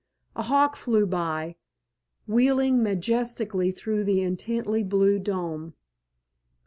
A hawk flew by, wheeling majestically through the intensely blue dome.